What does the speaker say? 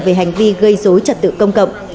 về hành vi gây dối trật tự công cộng